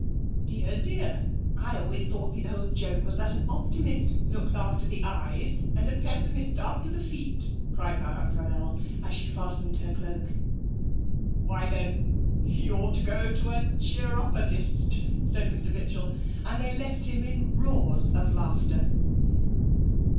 'Dear, dear. I always thought the old joke was that an optimist looks after the eyes, and a pessimist after the feet!' cried Madame Frabelle as she fastened her cloak. 'Why, then, he ought to go to a cheer upadist!' said Mr Mitchell. And they left him in roars of laughter.